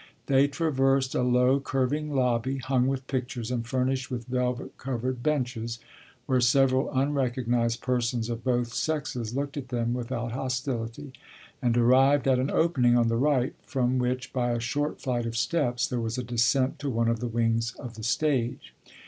They traversed a low, curving lobby, hung with pictures and furnished with velvet covered benches where several unrecognised persons of both sexes looked at them without hostility, and arrived at an opening, on the right, from which, by a short flight of steps, there was a descent to one of the wings of the stage.